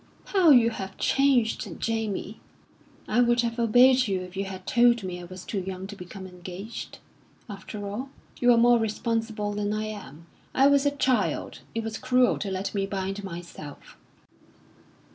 "How you have changed, Jamie!" "I would have obeyed you if you had told me I was too young to become engaged. After all, you are more responsible than I am. I was a child. It was cruel to let me bind myself."